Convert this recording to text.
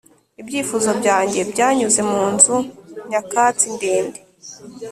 ibyifuzo byanjye byanyuze munzu nyakatsi ndende